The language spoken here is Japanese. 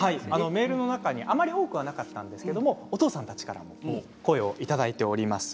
メールの中にあまり多くはなかったんですけれどお父さんたちからの声もいただいています。